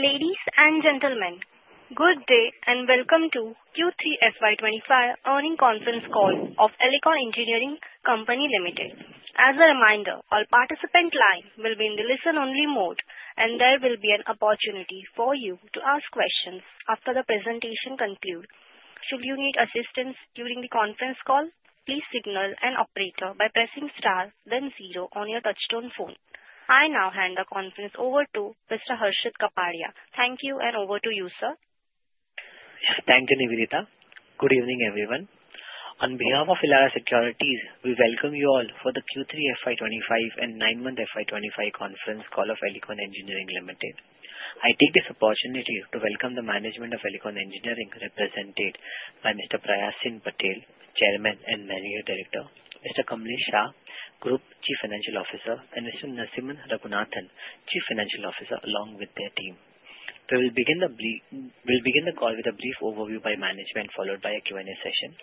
Ladies and gentlemen, good day and welcome to Q3 FY2025 Earnings Conference Call of Elecon Engineering Company Limited. As a reminder, all participant lines will be in the listen-only mode, and there will be an opportunity for you to ask questions after the presentation concludes. Should you need assistance during the conference call, please signal an operator by pressing star, then zero on your touch-tone phone. I now hand the conference over to Mr. Harshit Kapadia. Thank you, and over to you, sir. Thank you, Nivedita. Good evening, everyone. On behalf of Elara Securities, we welcome you all for the Q3 FY2025 and Nine-Month FY2025 Conference Call of Elecon Engineering Limited. I take this opportunity to welcome the management of Elecon Engineering represented by Mr. Prayasvin Patel, Chairman and Managing Director, Mr. Kamlesh Shah, Group Chief Financial Officer, and Mr. Narasimhan Raghunathan, Chief Financial Officer, along with their team. We will begin the call with a brief overview by management, followed by a Q&A session.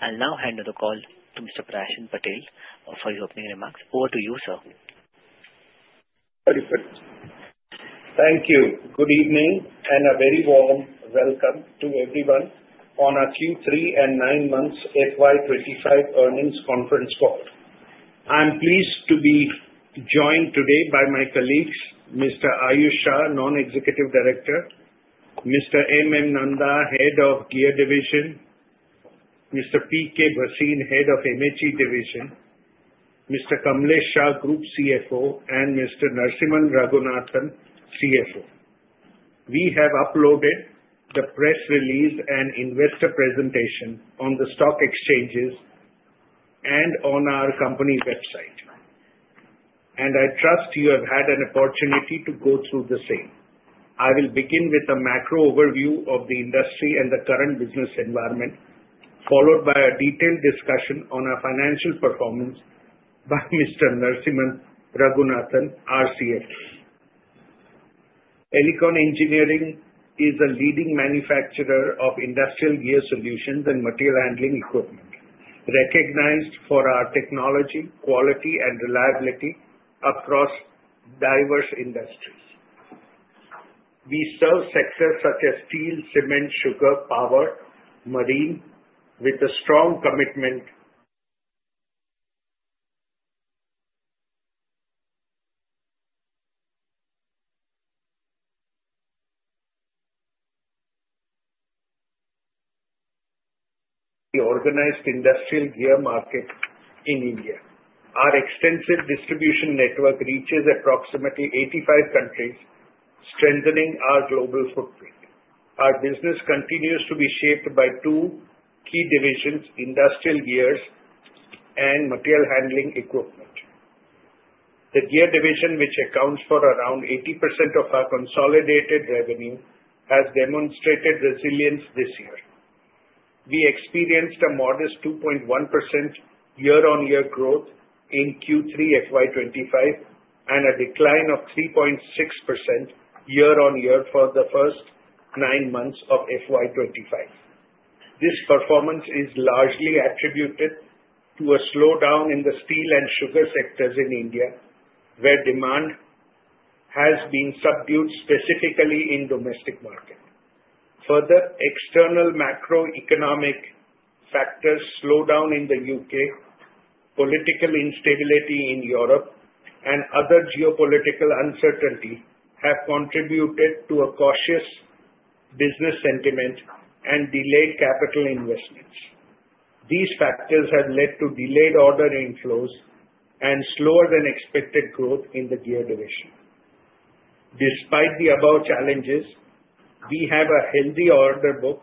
I'll now hand the call to Mr. Prayasvin Patel for his opening remarks. Over to you, sir. Perfect. Thank you. Good evening and a very warm welcome to everyone on our Q3 and Nine-Month FY2025 Earnings Conference Call. I'm pleased to be joined today by my colleagues, Mr. Aayush Shah, Non-Executive Director, Mr. M. M. Nanda, Head of Gear Division, Mr. P. K. Bhasin, Head of MHE Division, Mr. Kamlesh Shah, Group CFO, and Mr. Narasimhan Raghunathan, CFO. We have uploaded the press release and investor presentation on the stock exchanges and on our company website, and I trust you have had an opportunity to go through the same. I will begin with a macro overview of the industry and the current business environment, followed by a detailed discussion on our financial performance by Mr. Narasimhan Raghunathan, CFO. Elecon Engineering is a leading manufacturer of industrial gear solutions and material handling equipment, recognized for our technology, quality, and reliability across diverse industries. We serve sectors such as steel, cement, sugar, power, and marine with a strong commitment. The organized industrial gear market in India. Our extensive distribution network reaches approximately 85 countries, strengthening our global footprint. Our business continues to be shaped by two key divisions: Industrial Gears and Material Handling Equipment. The gear division, which accounts for around 80% of our consolidated revenue, has demonstrated resilience this year. We experienced a modest 2.1% year-on-year growth in Q3 FY2025 and a decline of 3.6% year-on-year for the first nine months of FY2025. This performance is largely attributed to a slowdown in the steel and sugar sectors in India, where demand has been subdued specifically in the domestic market. Further, external macroeconomic factors, slowdown in the U.K., political instability in Europe, and other geopolitical uncertainty, have contributed to a cautious business sentiment and delayed capital investments. These factors have led to delayed order inflows and slower-than-expected growth in the Gear division. Despite the above challenges, we have a healthy order book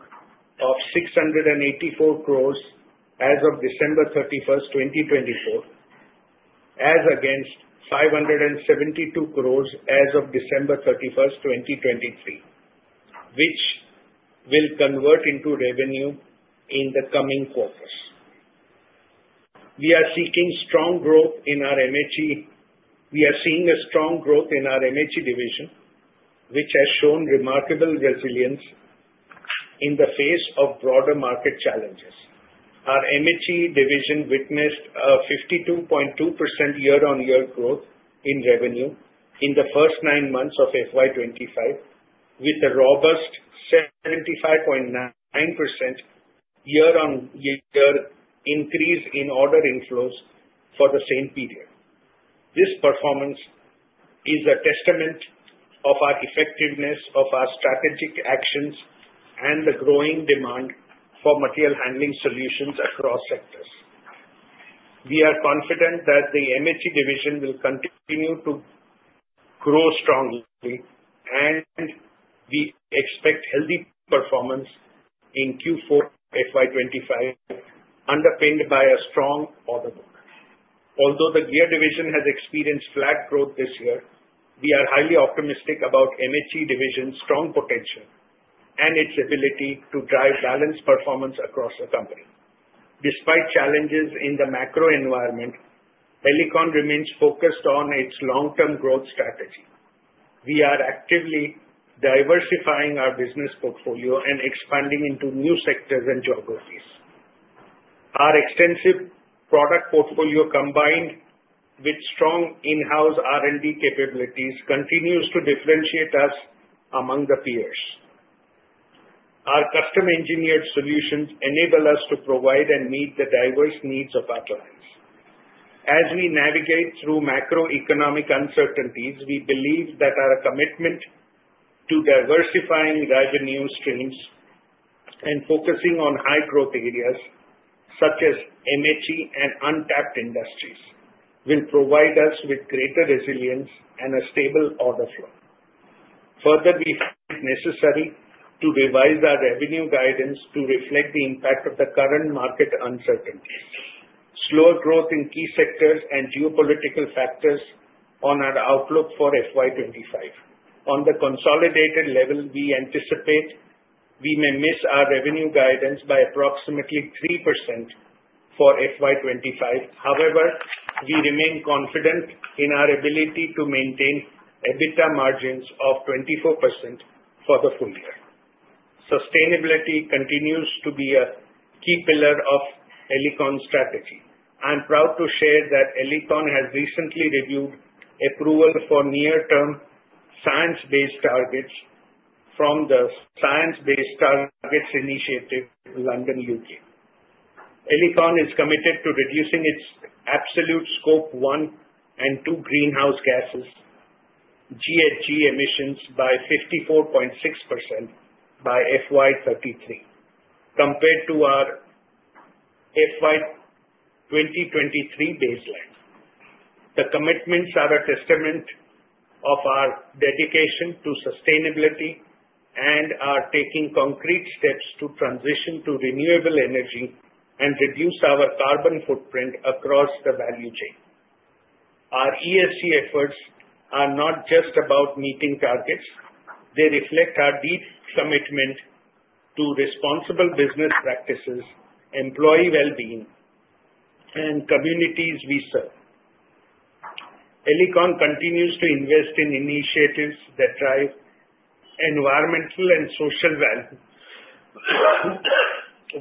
of 684 cr as of December 31, 2024, as against 572 cr as of December 31st, 2023, which will convert into revenue in the coming quarters. We are seeking strong growth in our MHE. We are seeing a strong growth in our MHE division, which has shown remarkable resilience in the face of broader market challenges. Our MHE division witnessed a 52.2% year-on-year growth in revenue in the first nine months of FY2025, with a robust 75.9% year-on-year increase in order inflows for the same period. This performance is a testament to our effectiveness of our strategic actions and the growing demand for material handling solutions across sectors. We are confident that the MHE division will continue to grow strongly, and we expect healthy performance in Q4 FY2025, underpinned by a strong order book. Although the Gear division has experienced flat growth this year, we are highly optimistic about the MHE division's strong potential and its ability to drive balanced performance across the company. Despite challenges in the macro environment, Elecon remains focused on its long-term growth strategy. We are actively diversifying our business portfolio and expanding into new sectors and geographies. Our extensive product portfolio, combined with strong in-house R&D capabilities, continues to differentiate us among the peers. Our custom-engineered solutions enable us to provide and meet the diverse needs of our clients. As we navigate through macroeconomic uncertainties, we believe that our commitment to diversifying revenue streams and focusing on high-growth areas such as MHE and untapped industries will provide us with greater resilience and a stable order flow. Further, we find it necessary to revise our revenue guidance to reflect the impact of the current market uncertainties, slower growth in key sectors, and geopolitical factors on our outlook for FY2025. On the consolidated level, we anticipate we may miss our revenue guidance by approximately 3% for FY2025. However, we remain confident in our ability to maintain EBITDA margins of 24% for the full year. Sustainability continues to be a key pillar of Elecon's strategy. I'm proud to share that Elecon has recently reviewed approval for near-term science-based targets from the Science Based Targets initiative, London, U.K. Elecon is committed to reducing its absolute Scope 1 and 2 greenhouse gases, GHG emissions, by 54.6% by FY2033, compared to our FY2023 baseline. The commitments are a testament to our dedication to sustainability and our taking concrete steps to transition to renewable energy and reduce our carbon footprint across the value chain. Our ESG efforts are not just about meeting targets. They reflect our deep commitment to responsible business practices, employee well-being, and communities we serve. Elecon continues to invest in initiatives that drive environmental and social value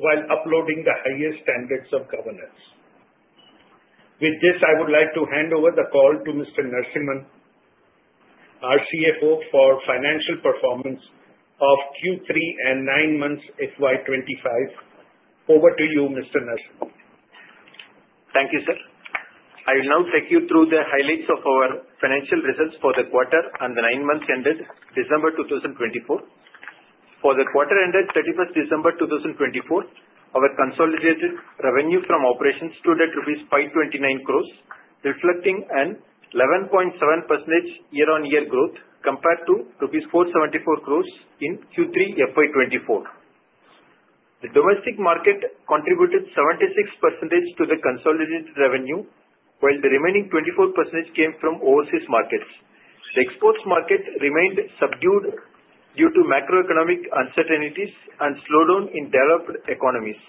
while upholding the highest standards of governance. With this, I would like to hand over the call to Mr. Narasimhan, our CFO, for financial performance of Q3 and nine months FY2025. Over to you, Mr. Narasimhan. Thank you, sir. I will now take you through the highlights of our financial results for the quarter and the nine months ended December 2024. For the quarter ended 31st December 2024, our consolidated revenue from operations stood at rupees 529 cr, reflecting an 11.7% year-on-year growth compared to rupees 474 cr in Q3 FY2024. The domestic market contributed 76% to the consolidated revenue, while the remaining 24% came from overseas markets. The exports market remained subdued due to macroeconomic uncertainties and slowdown in developed economies.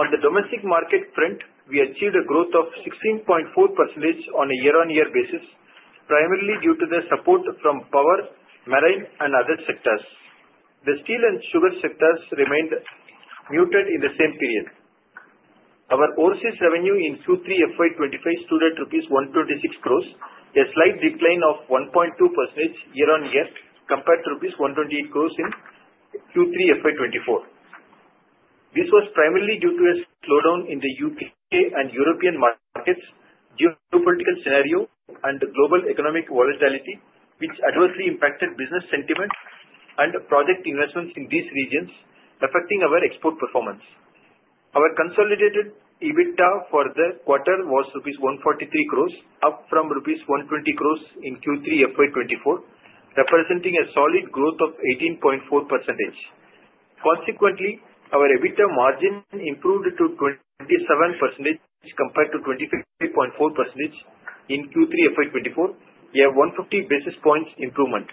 On the domestic market front, we achieved a growth of 16.4% on a year-on-year basis, primarily due to the support from power, marine, and other sectors. The steel and sugar sectors remained muted in the same period. Our overseas revenue in Q3 FY2025 stood at rupees 126 cr, a slight decline of 1.2% year-on-year compared to rupees 128 cr in Q3 FY2024. This was primarily due to a slowdown in the U.K. and European markets, geopolitical scenario, and global economic volatility, which adversely impacted business sentiment and project investments in these regions, affecting our export performance. Our consolidated EBITDA for the quarter was rupees 143 cr, up from rupees 120 cr in Q3 FY2024, representing a solid growth of 18.4%. Consequently, our EBITDA margin improved to 27% compared to 23.4% in Q3 FY2024, a 150 basis points improvement.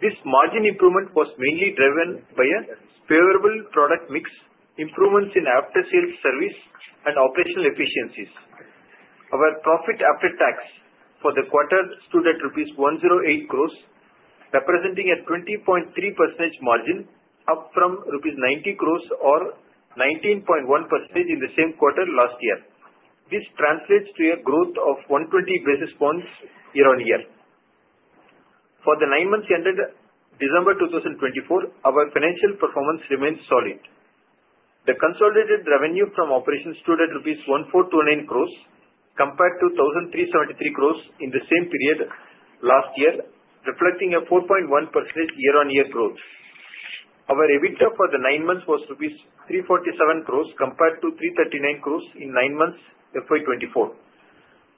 This margin improvement was mainly driven by a favorable product mix, improvements in after-sales service, and operational efficiencies. Our profit after tax for the quarter stood at rupees 108 cr, representing a 20.3% margin, up from rupees 90 cr or 19.1% in the same quarter last year. This translates to a growth of 120 basis points year-on-year. For the nine months ended December 2024, our financial performance remained solid. The consolidated revenue from operations stood at rupees 1429 cr compared to 1373 cr in the same period last year, reflecting a 4.1% year-on-year growth. Our EBITDA for the nine months was ₹347 cr compared to ₹339 cr in nine months FY2024.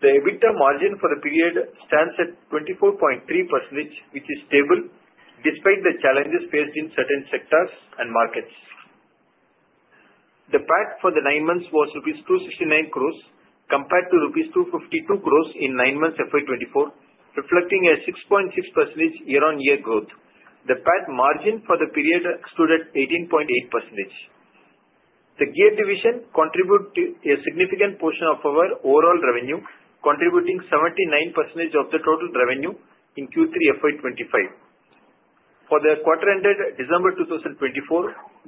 The EBITDA margin for the period stands at 24.3%, which is stable despite the challenges faced in certain sectors and markets. The PAT for the nine months was INR 269 cr compared to INR 252 cr in nine months FY2024, reflecting a 6.6% year-on-year growth. The PAT margin for the period stood at 18.8%. The Gear division contributed a significant portion of our overall revenue, contributing 79% of the total revenue in Q3 FY2025. For the quarter ended December 2024,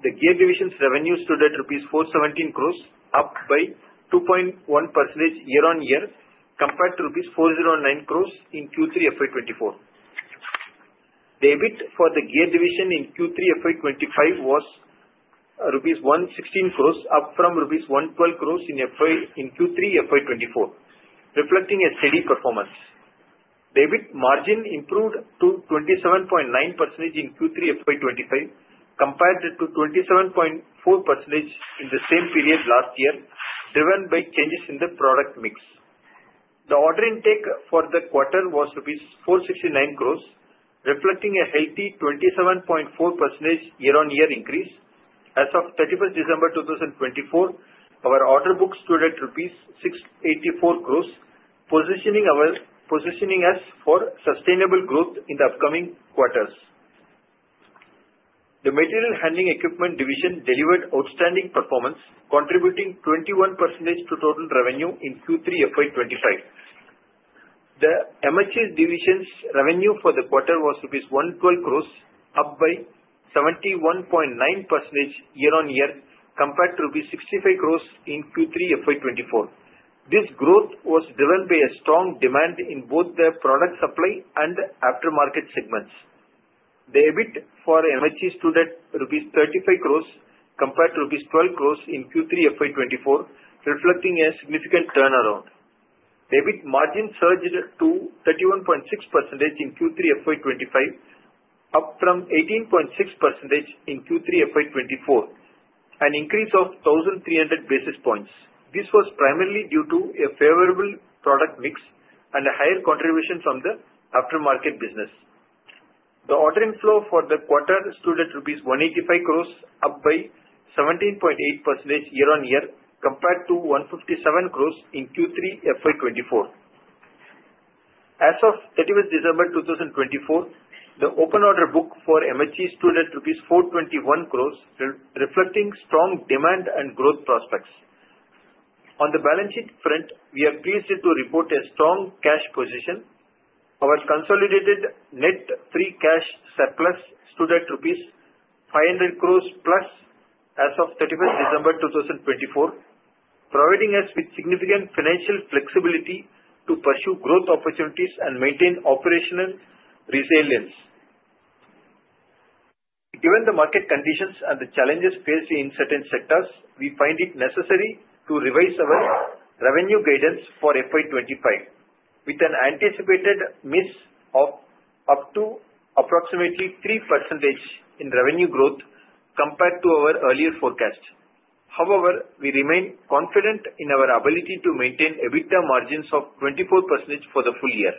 the Gear division's revenue stood at INR 417 cr, up by 2.1% year-on-year compared to 409 rupees cr in Q3 FY2024. The EBIT for the gear division in Q3 FY2025 was rupees 116 cr, up from rupees 112 cr in Q3 FY2024, reflecting a steady performance. The EBIT margin improved to 27.9% in Q3 FY2025 compared to 27.4% in the same period last year, driven by changes in the product mix. The order intake for the quarter was INR 469 cr, reflecting a healthy 27.4% year-on-year increase. As of December 31st, 2024, our order book stood at rupees 684 cr, positioning us for sustainable growth in the upcoming quarters. The Material Handling Equipment division delivered outstanding performance, contributing 21% to total revenue in Q3 FY2025. The MHE division's revenue for the quarter was rupees 112 cr, up by 71.9% year-on-year compared to 65 cr in Q3 FY2024. This growth was driven by a strong demand in both the product supply and aftermarket segments. The EBIT for MHE stood at rupees 35 cr compared to rupees 12 cr in Q3 FY2024, reflecting a significant turnaround. The EBIT margin surged to 31.6% in Q3 FY2025, up from 18.6% in Q3 FY2024, an increase of 1300 basis points. This was primarily due to a favorable product mix and a higher contribution from the aftermarket business. The ordering flow for the quarter stood at rupees 185 cr, up by 17.8% year-on-year compared to 157 cr in Q3 FY2024. As of December 31st, 2024, the open order book for MHE stood at rupees 421 cr, reflecting strong demand and growth prospects. On the balance sheet front, we are pleased to report a strong cash position. Our consolidated net free cash surplus stood at rupees 500 cr plus as of December 31st, 2024, providing us with significant financial flexibility to pursue growth opportunities and maintain operational resilience. Given the market conditions and the challenges faced in certain sectors, we find it necessary to revise our revenue guidance for FY2025, with an anticipated miss of up to approximately 3% in revenue growth compared to our earlier forecast. However, we remain confident in our ability to maintain EBITDA margins of 24% for the full year.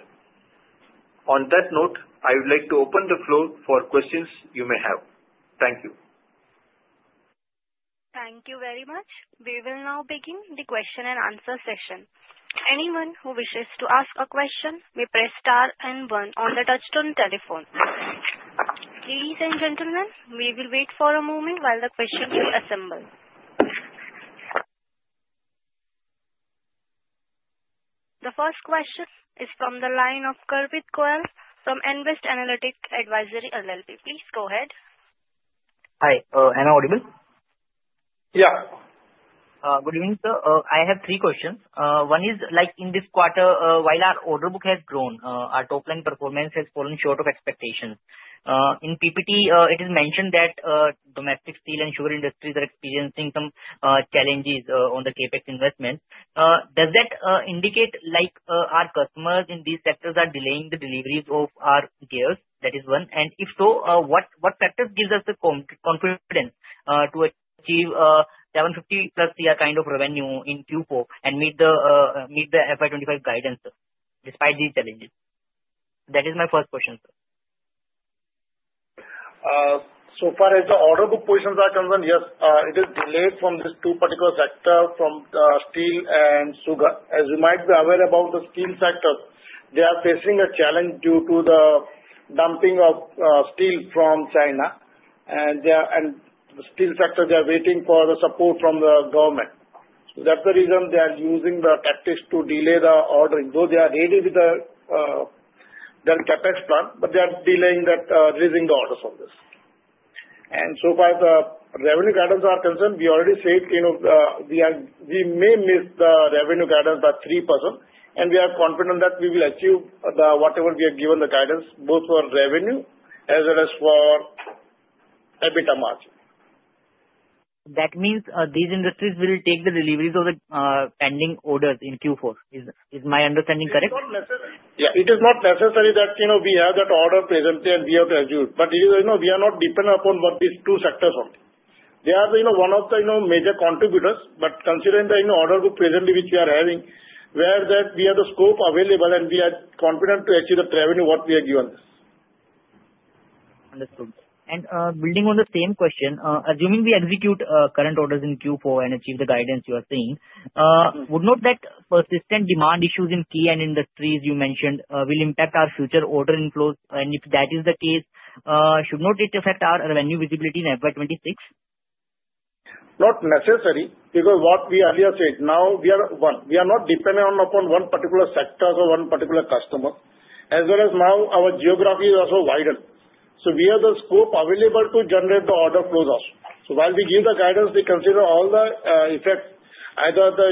On that note, I would like to open the floor for questions you may have. Thank you. Thank you very much. We will now begin the question-and-answer session. Anyone who wishes to ask a question may press star and one on the touch-tone telephone. Ladies and gentlemen, we will wait for a moment while the questions are assembled. The first question is from the line of Garvit Goyal from Nvest Analytics Advisory LLP. Please go ahead. Hi, am I audible? Yeah. Good evening, sir. I have three questions. One is, in this quarter, while our order book has grown, our top-line performance has fallen short of expectations. In PPT, it is mentioned that domestic steel and sugar industries are experiencing some challenges on the CapEx investments. Does that indicate our customers in these sectors are delaying the deliveries of our gears? That is one, and if so, what factors give us the confidence to achieve 750+ cr kind of revenue in Q4 and meet the FY2025 guidance despite these challenges? That is my first question, sir. So far, as the order book positions are concerned, yes, it is delayed from these two particular sectors, from steel and sugar. As you might be aware about the steel sector, they are facing a challenge due to the dumping of steel from China, and the steel sector, they are waiting for the support from the government. So, that's the reason they are using the tactics to delay the ordering. Though they are ready with their CapEx plan, but they are delaying that, raising the orders on this. And so far, the revenue guidance are concerned, we already said we may miss the revenue guidance by 3%, and we are confident that we will achieve whatever we are given the guidance, both for revenue as well as for EBITDA margin. That means these industries will take the deliveries of the pending orders in Q4. Is my understanding correct? It's not necessary. Yeah, it is not necessary that we have that order presently and we have to execute. But we are not dependent upon what these two sectors are. They are one of the major contributors, but considering the order book presently which we are having, where that we have the scope available and we are confident to execute the revenue what we are given. Understood. And building on the same question, assuming we execute current orders in Q4 and achieve the guidance you are saying, would not that persistent demand issues in key end industries you mentioned will impact our future order inflows? And if that is the case, should not it affect our revenue visibility in FY2026? Not necessary because what we earlier said, now we are one. We are not dependent upon one particular sector or one particular customer. As well as now, our geography is also wider. So, we have the scope available to generate the order flows also. So, while we give the guidance, we consider all the effects, either at the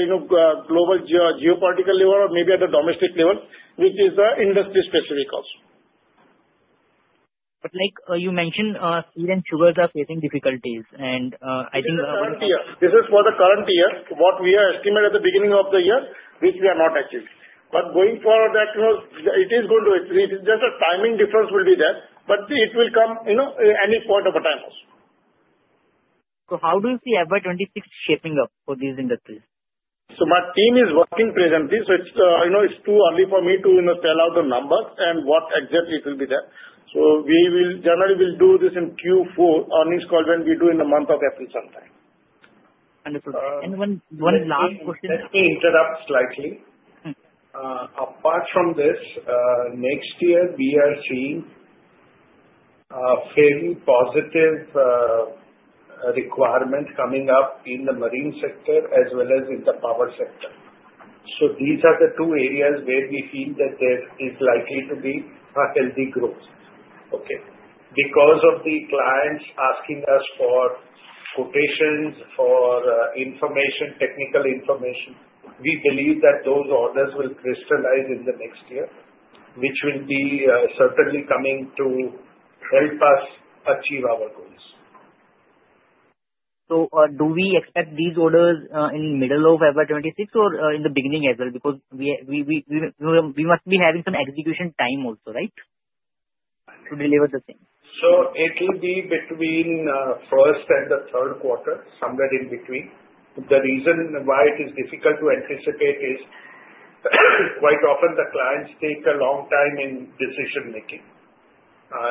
global geopolitical level or maybe at the domestic level, which is industry specific also. But you mentioned steel and sugars are facing difficulties, and I think. Current year, this is for the current year, what we have estimated at the beginning of the year, which we are not achieving, but going forward, it is going to, it is just a timing difference will be there, but it will come at any point in time also. So how do you see FY2026 shaping up for these industries? So, my team is working presently, so it's too early for me to spell out the numbers and what exactly it will be there. So, we will generally do this in Q4 earnings call when we do in the month of April sometime. Wonderful. And one last question. Let me interrupt slightly. Apart from this, next year we are seeing fairly positive requirements coming up in the Marine sector as well as in the Power sector. So, these are the two areas where we feel that there is likely to be a healthy growth. Okay. Because of the clients asking us for quotations, for information, technical information, we believe that those orders will crystallize in the next year, which will be certainly coming to help us achieve our goals. So, do we expect these orders in the middle of FY2026 or in the beginning as well? Because we must be having some execution time also, right, to deliver the thing? So, it will be between first and the third quarter, somewhere in between. The reason why it is difficult to anticipate is quite often the clients take a long time in decision-making.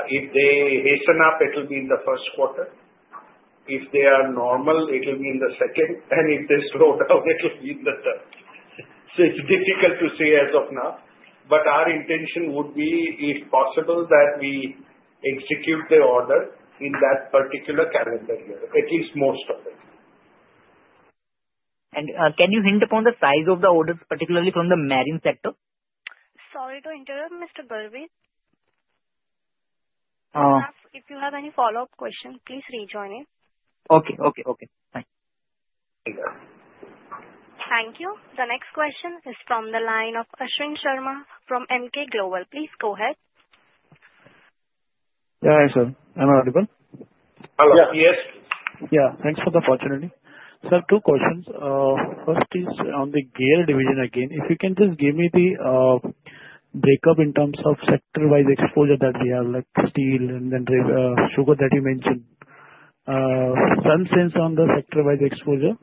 If they hasten up, it will be in the first quarter. If they are normal, it will be in the second. And if they slow down, it will be in the third. So, it's difficult to say as of now. But our intention would be, if possible, that we execute the order in that particular calendar year, at least most of it. Can you hint upon the size of the orders, particularly from the Marine sector? Sorry to interrupt, Mr. Garvit. If you have any follow-up question, please rejoin in. Okay, okay, okay. Thank you. Thank you. The next question is from the line of Ashwani Sharma from Emkay Global. Please go ahead. Yeah, hi sir. Am I audible? Hello. Yes. Yeah. Thanks for the opportunity. Sir, two questions. First is on the gear division again. If you can just give me the breakup in terms of sector-wise exposure that we have, like steel and then sugar that you mentioned. Some sense on the sector-wise exposure?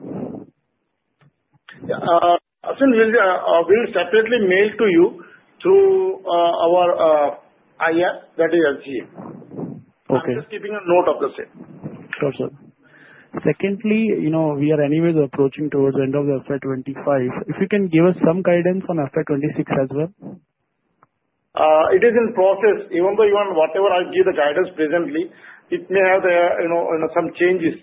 Yeah. We will separately mail to you through our IR, that is SGA. I'm just keeping a note of the same. Sure, sir. Secondly, we are anyways approaching towards the end of the FY2025. If you can give us some guidance on FY2026 as well. It is in process. Even though you want whatever I give the guidance presently, it may have some changes.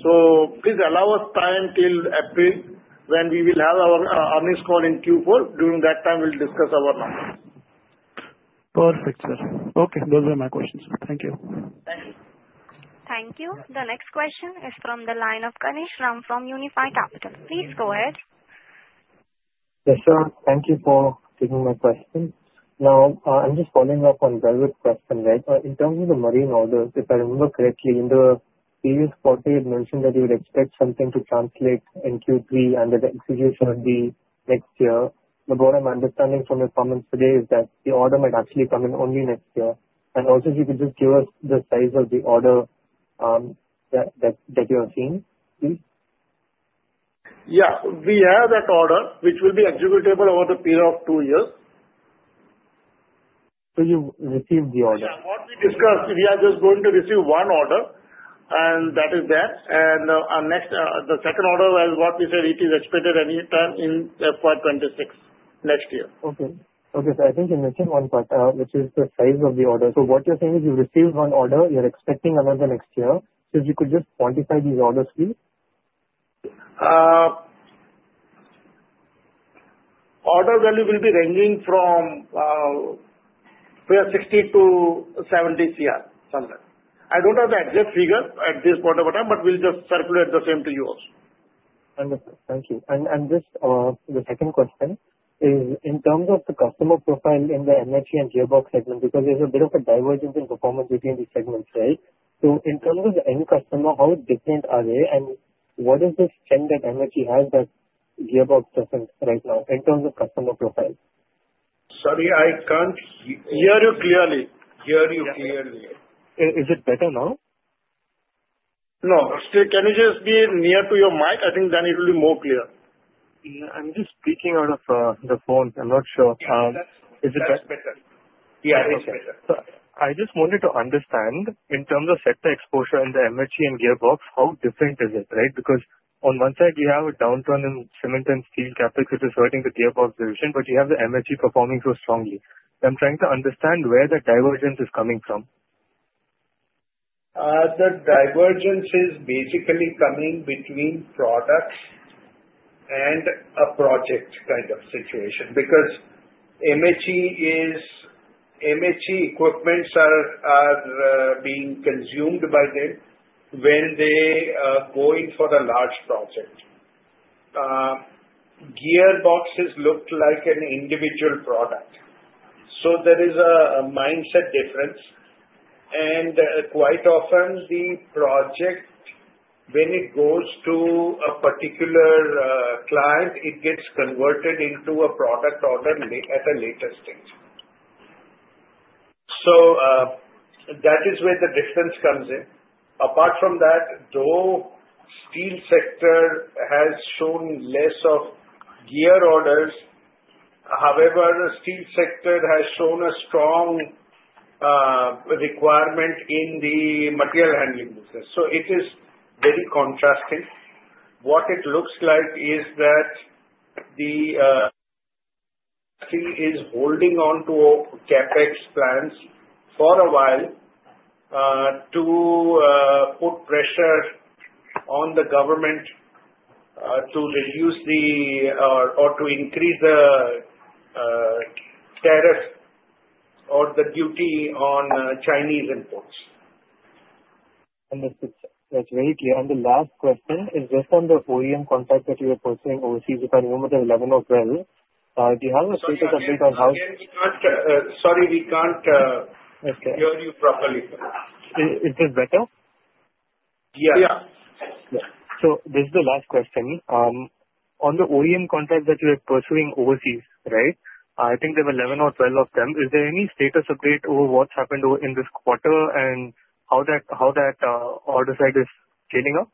So, please allow us time till April when we will have our earnings call in Q4. During that time, we'll discuss our numbers. Perfect, sir. Okay. Those were my questions. Thank you. Thank you. Thank you. The next question is from the line of Ganeshram from Unifi Capital. Please go ahead. Yes, sir. Thank you for taking my question. Now, I'm just following up on Garvit's question. In terms of the Marine orders, if I remember correctly, in the previous quarter, you had mentioned that you would expect something to translate in Q3 and that the execution would be next year. But what I'm understanding from your comments today is that the order might actually come in only next year. And also, if you could just give us the size of the order that you have seen, please. Yeah. We have that order, which will be executable over the period of two years. So, you received the order? Yeah. What we discussed, we are just going to receive one order, and that is that. And the second order is what we said it is expected anytime in FY2026 next year. Okay. So, I think you mentioned one quarter, which is the size of the order. So, what you're saying is you received one order, you're expecting another next year. So, if you could just quantify these orders, please? Order value will be ranging from 60-70 cr somewhere. I don't have the exact figure at this point of time, but we'll just circulate the same to you also. Understood. Thank you. And just the second question is, in terms of the customer profile in the MHE and Gearbox segment, because there's a bit of a divergence in performance between these segments, right? So, in terms of the end customer, how different are they? And what is the strength that MHE has that Gearbox doesn't right now in terms of customer profile? Sorry, I can't hear you clearly. Hear you clearly. Is it better now? No. Can you just be near to your mic? I think then it will be more clear. I'm just speaking out of the phone. I'm not sure. Is it better? Yeah, I think so. I just wanted to understand in terms of sector exposure and the MHE and Gearbox, how different is it, right? Because on one side, we have a downturn in cement and steel CapEx, which is hurting the Gearbox division, but you have the MHE performing so strongly. I'm trying to understand where the divergence is coming from. The divergence is basically coming between products and a project kind of situation because MHE equipments are being consumed by them when they go in for a large project. Gearbox is looked like an individual product. So, there is a mindset difference, and quite often, the project, when it goes to a particular client, it gets converted into a product order at a later stage. So, that is where the difference comes in. Apart from that, though Steel sector has shown less of Gear orders, however, the Steel sector has shown a strong requirement in the material handling business, so it is very contrasting. What it looks like is that the industry is holding on to CapEx plans for a while to put pressure on the government to reduce the or to increase the tariffs or the duty on Chinese imports. Understood, sir. That's very clear. And the last question is, just on the OEM contract that you are pursuing overseas. If I remember, the 11 or 12, do you have a status update on how? Sorry, we can't hear you properly. Is this better? Yeah. Yeah. So, this is the last question. On the OEM contract that you are pursuing overseas, right? I think there were 11 or 12 of them. Is there any status update over what's happened in this quarter and how that order side is scaling up?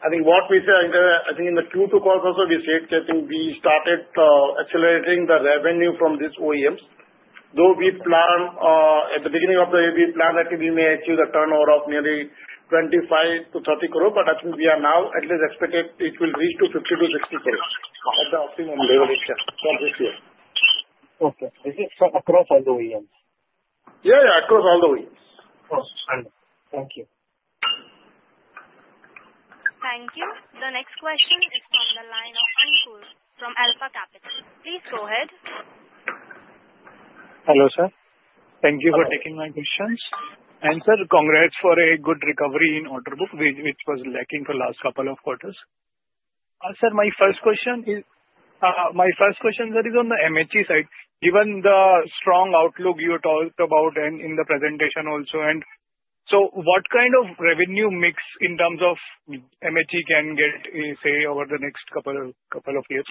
I think what we said, I think in the Q2 calls also, we said that we started accelerating the revenue from these OEMs. Though we plan, at the beginning of the year, we plan that we may achieve a turnover of nearly 25-30 cr, but I think we are now at least expecting it will reach to 50-60 cr at the optimum level this year. Okay. Is it across all the OEMs? Yeah, yeah, across all the OEMs. Thank you. Thank you. The next question is from the line of Ankur from Alpha Capital. Please go ahead. Hello, sir. Thank you for taking my questions. And sir, congrats for a good recovery in order book, which was lacking for the last couple of quarters. Sir, my first question is on the MHE side. Given the strong outlook you talked about and in the presentation also, and so what kind of revenue mix in terms of MHE can get, say, over the next couple of years?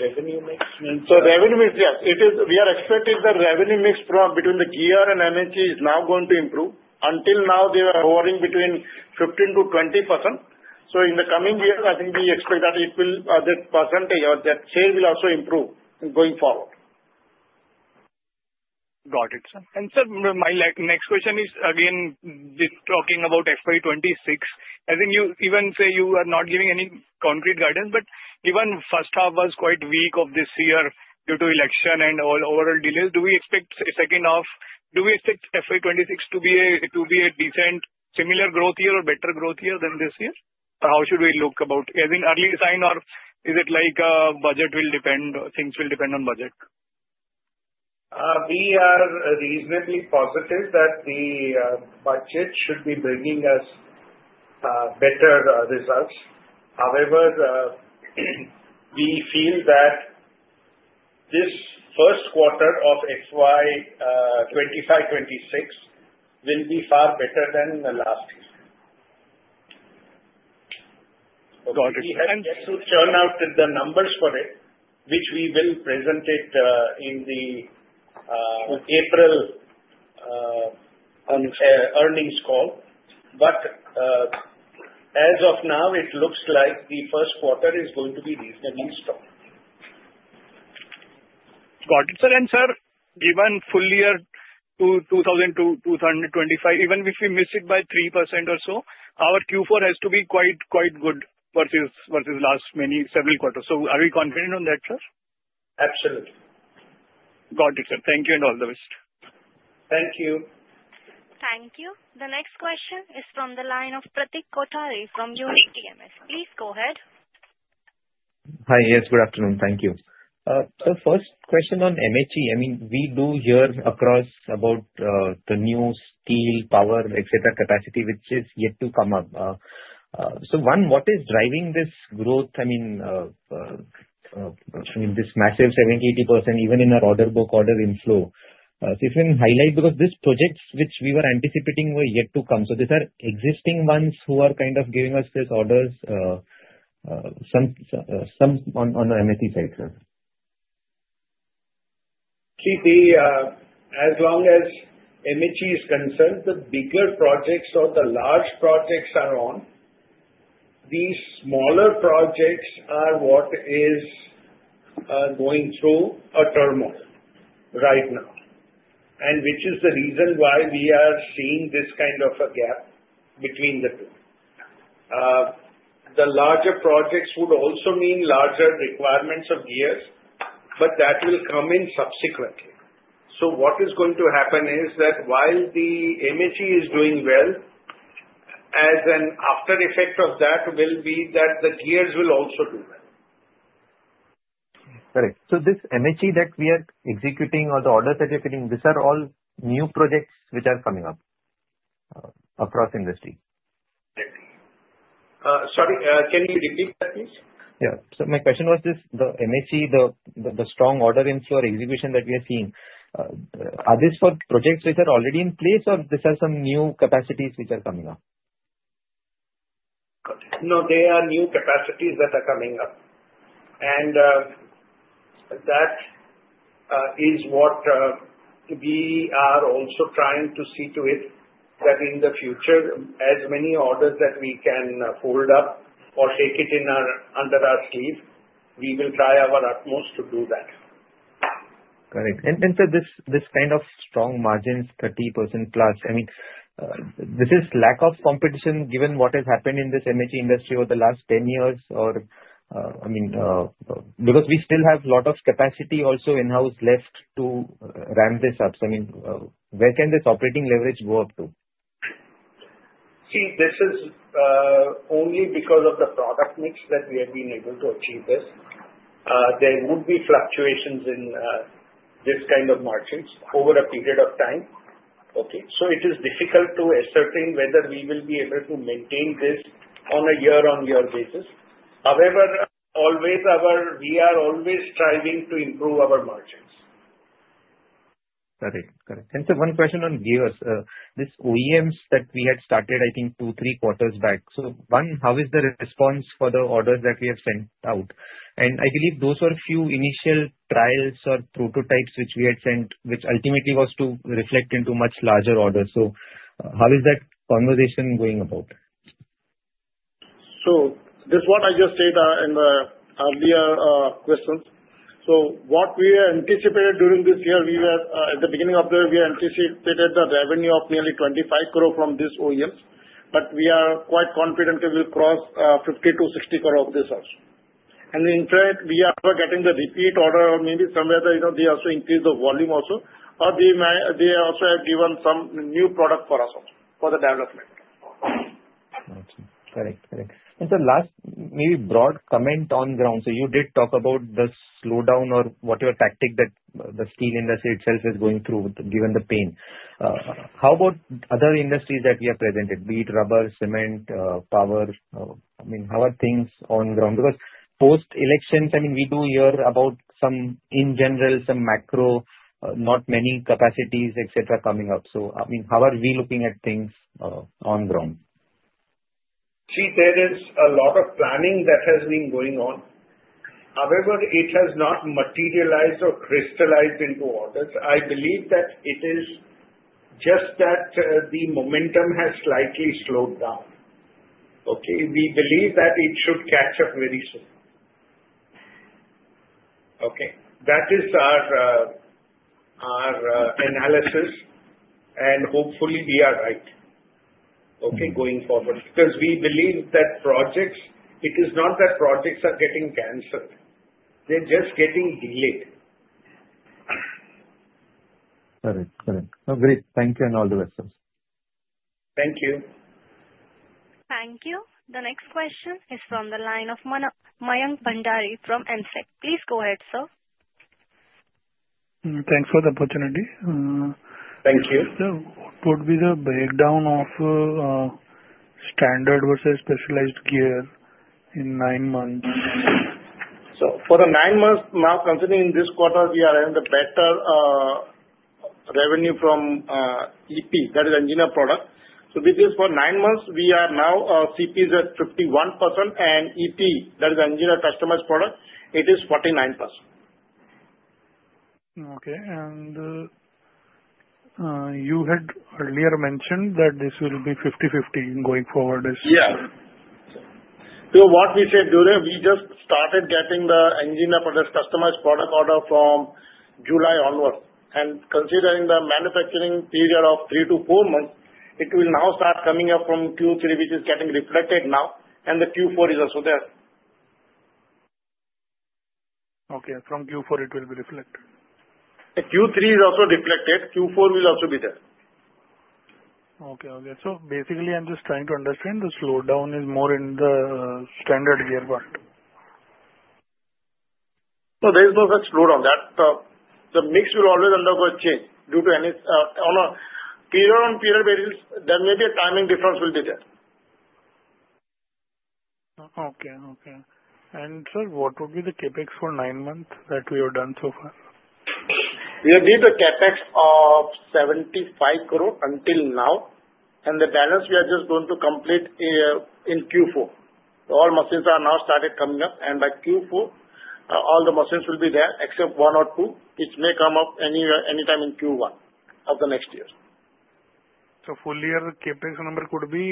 Revenue mix? So, revenue mix, yes. We are expecting the revenue mix between the Gear and MHE is now going to improve. Until now, they were hovering between 15%-20%. So, in the coming year, I think we expect that the percentage or that share will also improve going forward. Got it, sir, and sir, my next question is, again, talking about FY2026. I think you even say you are not giving any concrete guidance, but given first half was quite weak of this year due to election and all overall delays, do we expect a second half? Do we expect FY2026 to be a decent, similar growth year or better growth year than this year? Or how should we look about, as in early sign, or is it like budget will depend, things will depend on budget? We are reasonably positive that the budget should be bringing us better results. However, we feel that this first quarter of FY2025/2026 will be far better than last year. Got it. We have to turn out the numbers for it, which we will present in the April earnings call. But as of now, it looks like the first quarter is going to be reasonably strong. Got it, sir. And sir, given full year to 2025, even if we miss it by 3% or so, our Q4 has to be quite good versus last several quarters. So, are we confident on that, sir? Absolutely. Got it, sir. Thank you and all the best. Thank you. Thank you. The next question is from the line of Pratik Kothari from Unique PMS. Please go ahead. Hi, yes, good afternoon. Thank you. So, first question on MHE, I mean, we do hear across about the new steel, power, etc., capacity, which is yet to come up. So, one, what is driving this growth? I mean, this massive 70%-80%, even in our order book order inflow, so you can highlight because these projects which we were anticipating were yet to come. So, these are existing ones who are kind of giving us these orders, some on the MHE side, sir. See, as far as MHE is concerned, the bigger projects or the large projects are on. These smaller projects are what is going through a turmoil right now, which is the reason why we are seeing this kind of a gap between the two. The larger projects would also mean larger requirements of gears, but that will come in subsequently. So, what is going to happen is that while the MHE is doing well, as an after effect of that will be that the gears will also do well. Correct. So, this MHE that we are executing or the orders that you're getting, these are all new projects which are coming up across industry. Sorry, can you repeat that, please? Yeah. So, my question was just the MHE, the strong order inflow execution that we are seeing, are these for projects which are already in place, or these are some new capacities which are coming up? No, they are new capacities that are coming up. And that is what we are also trying to see to it that in the future, as many orders that we can hold up or take it under our sleeve, we will try our utmost to do that. Correct. Sir, this kind of strong margins, 30% plus, I mean, this is lack of competition given what has happened in this MHE industry over the last 10 years or, I mean, because we still have a lot of capacity also in-house left to ramp this up. I mean, where can this operating leverage go up to? See, this is only because of the product mix that we have been able to achieve this. There would be fluctuations in this kind of margins over a period of time. Okay. So, it is difficult to ascertain whether we will be able to maintain this on a year-on-year basis. However, we are always striving to improve our margins. Got it. Got it. And sir, one question on gears. This OEMs that we had started, I think, two, three quarters back. So, one, how is the response for the orders that we have sent out? And I believe those were a few initial trials or prototypes which we had sent, which ultimately was to reflect into much larger orders. So, how is that conversation going about? This is what I just said in the earlier questions. What we anticipated at the beginning of this year, the revenue of nearly 25 cr from these OEMs, but we are quite confident it will cross 50 cr to 60 cr of this also. And in fact, we are getting the repeat order or maybe somewhere they also increase the volume also, or they also have given some new product for us also for the development. Got it. Got it, and sir, last, maybe, broad comment on ground, so you did talk about the slowdown or whatever tactic that the Steel industry itself is going through given the pain. How about other industries that we have presented, be it Rubber, Cement, Power? I mean, how are things on ground? Because post-elections, I mean, we do hear about, in general, some macro, not many capacities, etc., coming up, so I mean, how are we looking at things on ground? See, there is a lot of planning that has been going on. However, it has not materialized or crystallized into orders. I believe that it is just that the momentum has slightly slowed down. Okay. We believe that it should catch up very soon. Okay. That is our analysis, and hopefully, we are right, okay, going forward. Because we believe that projects, it is not that projects are getting canceled. They're just getting delayed. Got it. Got it. So great. Thank you and all the best, sir. Thank you. Thank you. The next question is from the line of Mayank Bhandari from AMSEC. Please go ahead, sir. Thanks for the opportunity. Thank you. Sir, what would be the breakdown of standard versus specialized gear in nine months? So, for the nine months, now considering this quarter, we are in the better revenue from EP, that is Engineered Product. So, with this for nine months, we are now CPs at 51%, and EP, that is engineered Customized Product, it is 49%. Okay. And you had earlier mentioned that this will be 50/50 going forward. Yeah. So, what we said during, we just started getting the Engineered Product/ Customized Product order from July onward. And considering the manufacturing period of three to four months, it will now start coming up from Q3, which is getting reflected now, and the Q4 is also there. Okay. From Q4, it will be reflected? Q3 is also reflected. Q4 will also be there. Okay. Okay. So basically, I'm just trying to understand the slowdown is more in the standard gear part. So, there is no such slowdown. The mix will always undergo a change due to any period-on-period basis, there may be a timing difference will be there. Okay. Okay. And sir, what would be the CapEx for nine months that we have done so far? We have made the CapEx of 75 cr until now, and the balance we are just going to complete in Q4. All machines are now started coming up, and by Q4, all the machines will be there except one or two, which may come up anytime in Q1 of the next year. Full year CapEx number could be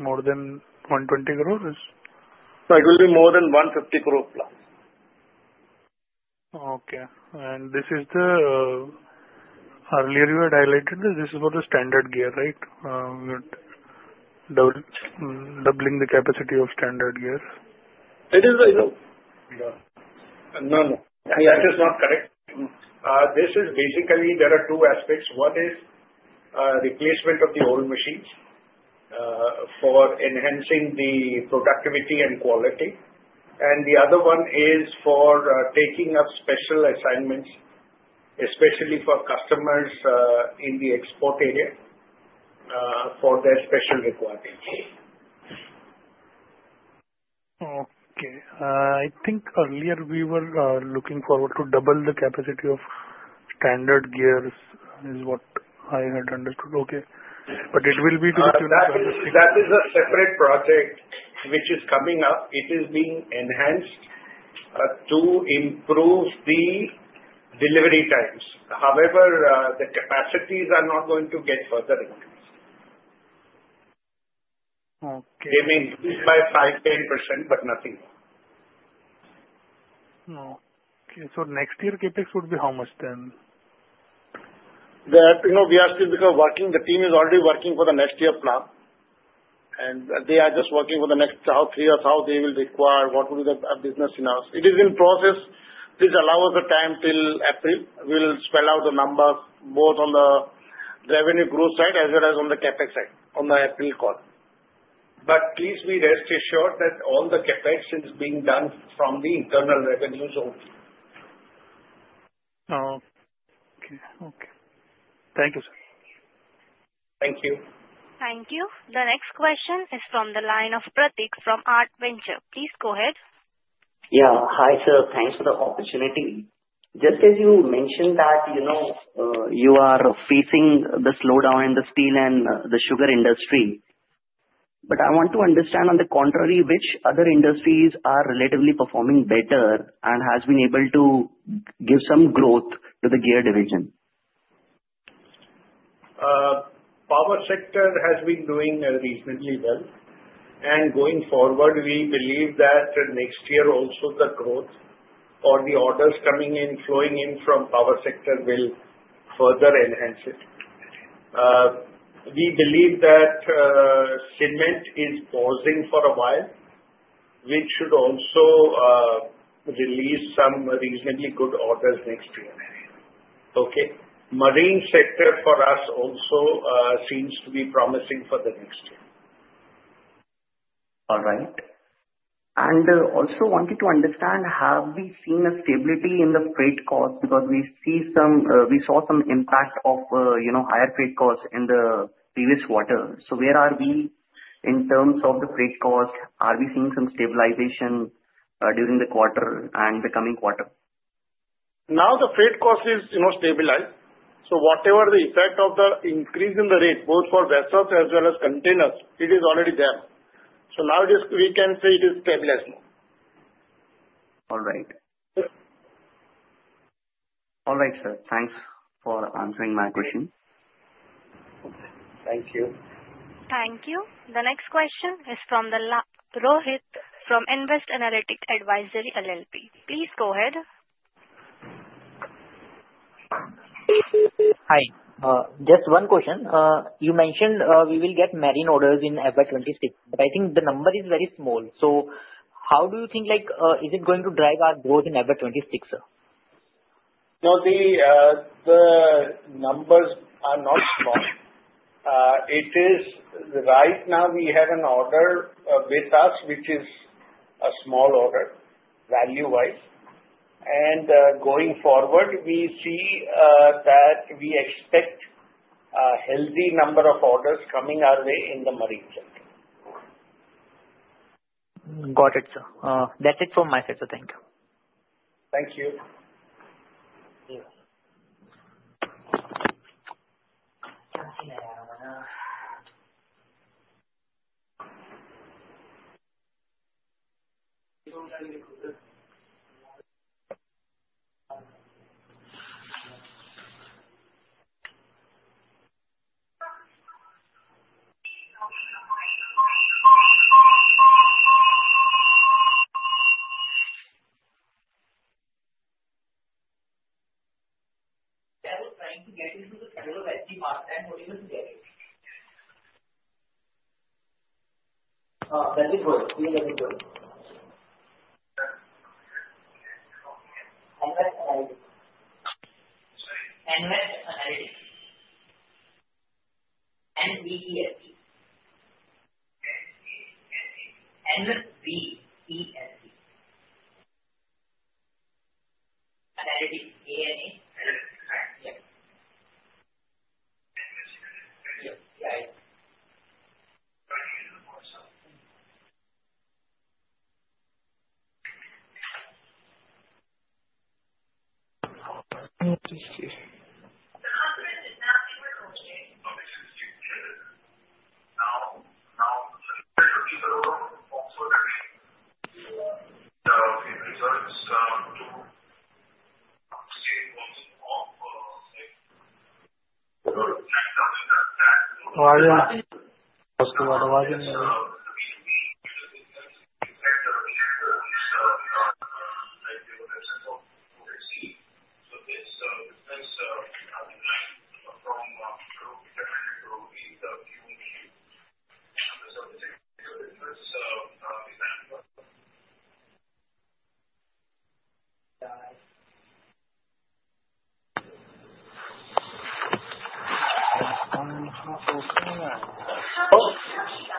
more than 120 cr? It will be more than 150 cr plus. Okay. And this is the earlier you had highlighted that this is for the standard gear, right? Doubling the capacity of standard gear. It is right. No, no. That is not correct. This is basically there are two aspects. One is replacement of the old machines for enhancing the productivity and quality. And the other one is for taking up special assignments, especially for customers in the export area for their special requirements. Okay. I think earlier we were looking forward to double the capacity of standard gears is what I had understood. Okay. But it will be to the Q2. That is a separate project which is coming up. It is being enhanced to improve the delivery times. However, the capacities are not going to get further increased. They may increase by 5%-10%, but nothing more. Okay. So, next year CapEx would be how much then? We are still working. The team is already working for the next year plan. And they are just working for the next three or how they will require, what will be the business in-house. It is in process. Please allow us the time till April. We will spell out the numbers both on the revenue growth side as well as on the CapEx side on the April call. But please be rest assured that all the CapEx is being done from the internal revenues only. Okay. Okay. Thank you, sir. Thank you. Thank you. The next question is from the line of Pratik from Art Ventures. Please go ahead. Yeah. Hi, sir. Thanks for the opportunity. Just as you mentioned that you are facing the slowdown in the Steel and the Sugar industry. But I want to understand on the contrary, which other industries are relatively performing better and have been able to give some growth to the Gear division? Power sector has been doing reasonably well, and going forward, we believe that next year also the growth or the orders coming in, flowing in from Power sector will further enhance it. We believe that Cement is pausing for a while, which should also release some reasonably good orders next year. Okay. Marine sector for us also seems to be promising for the next year. All right. And also wanted to understand, have we seen a stability in the freight costs because we saw some impact of higher freight costs in the previous quarter? So, where are we in terms of the freight costs? Are we seeing some stabilization during the quarter and the coming quarter? Now the freight cost is stabilized. So, whatever the effect of the increase in the rate, both for vessels as well as containers, it is already there. So, now we can say it is stabilized now. All right. All right, sir. Thanks for answering my question. Thank you. Thank you. The next question is from Rohit from Nvest Analytics Advisory LLP. Please go ahead. Hi. Just one question. You mentioned we will get Marine orders in FY2026, but I think the number is very small. So, how do you think is it going to drive our growth in FY2026? No, the numbers are not small. It is right now we have an order with us, which is a small order value-wise, and going forward, we see that we expect a healthy number of orders coming our way in the Marine sector. Got it, sir. That's it from my side, sir. Thank you. Thank you.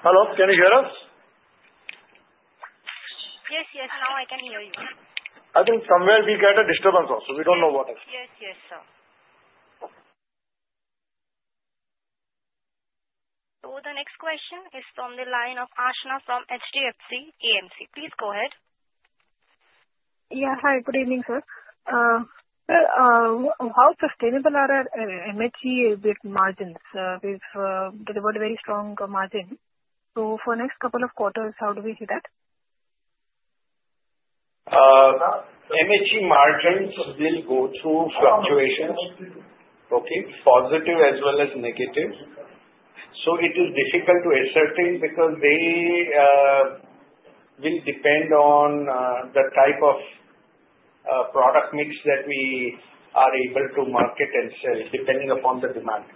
Hello? Can you hear us? Yes, yes. Now I can hear you. I think somewhere we get a disturbance also. We don't know what it is. Yes, yes, sir. So, the next question is from the line of Aashna from HDFC AMC. Please go ahead. Yeah. Hi. Good evening, sir. How sustainable are MHE margins? We've delivered very strong margins. So, for the next couple of quarters, how do we see that? MHE margins will go through fluctuations, okay, positive as well as negative. So, it is difficult to ascertain because they will depend on the type of product mix that we are able to market and sell depending upon the demand.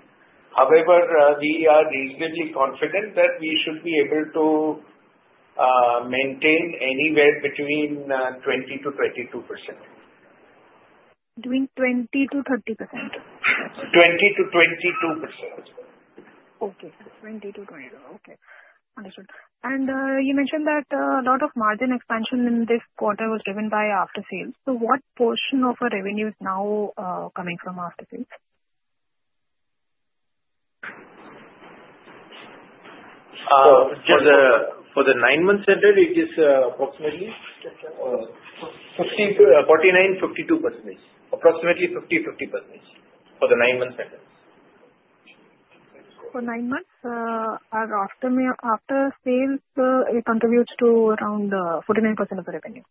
However, we are reasonably confident that we should be able to maintain anywhere between 20%-22%. Between 20%-30%? 20%-22%. Okay. 20%-22%. Okay. Understood. And you mentioned that a lot of margin expansion in this quarter was driven by after-sales. So, what portion of the revenue is now coming from after-sales? For the nine months ended, it is approximately 49-52%. Approximately 50-50% for the nine months ended. For nine months, after-sales, it contributes to around 49% of the revenue.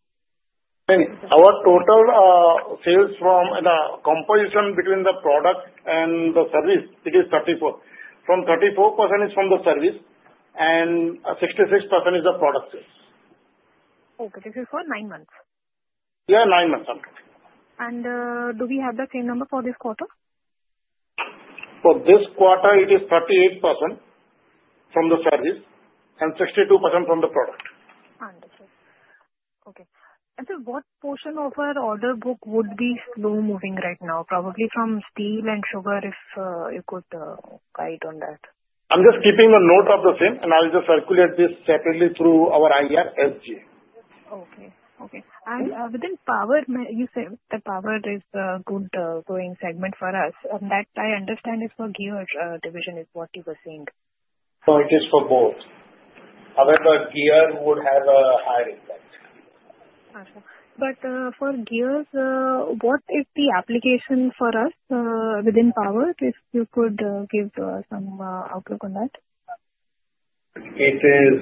Our total sales from the composition between the product and the service, it is 34%. From 34% is from the service, and 66% is the product sales. Okay. This is for nine months? Yeah, nine months. Do we have the claim number for this quarter? For this quarter, it is 38% from the service and 62% from the product. Understood. Okay. And sir, what portion of our order book would be slow-moving right now? Probably from Steel and Sugar if you could guide on that. I'm just keeping a note of the same, and I'll just circulate this separately through our IRSG. Okay. And within Power, you said that Power is a good going segment for us. And that I understand is for Gear division is what you were saying. No, it is for both. However, Gear would have a higher impact. Okay. But for Gears, what is the application for us within Power? If you could give some outlook on that. It is